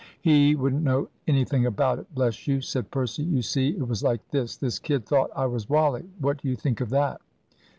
"He wouldn't know anything about it, bless you," said Percy. "You see, it was like this this kid thought I was Wally what do you think of that?"